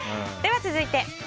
では、続いて。